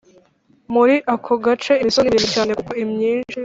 muri ako gace, imisozi ni miremire cyane kuko imyinshi